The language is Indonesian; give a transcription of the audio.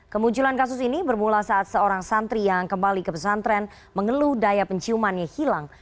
kemunculan kasus ini bermula saat seorang santri yang kembali ke pesantren mengeluh daya penciumannya hilang